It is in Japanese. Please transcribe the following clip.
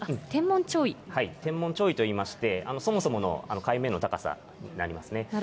てんもん潮位といいまして、そもそもの海面の高さになりますね。